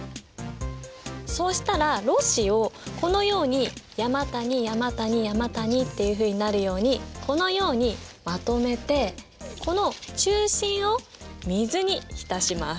そうしたらろ紙をこのように山谷山谷山谷っていうふうになるようにこのようにまとめてこの中心を水に浸します。